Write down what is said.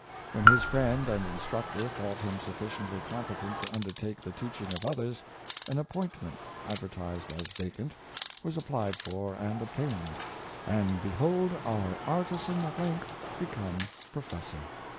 When his friend and instructor thought him sufficiently competent to undertake the teaching of others, an appointment, advertised as vacant, was ap plied for and obtained; and behold our artisan at length become professor!